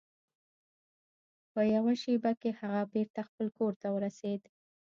په یوه شیبه کې هغه بیرته خپل کور ته ورسید.